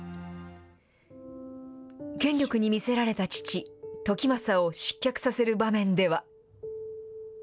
権力に魅せられた父、時政を失脚させる場面では。